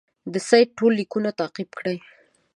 د سید ټول لیکونه تعقیب کړي.